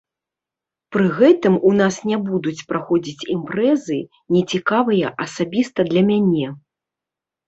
Пры гэтым у нас не будуць праходзіць імпрэзы, не цікавыя асабіста для мяне.